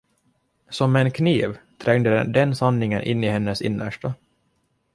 Som en kniv trängde den sanningen in i hennes innersta.